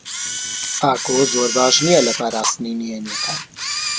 ئاکۆ زۆر باش نییە لە پاراستنی نهێنییەکان.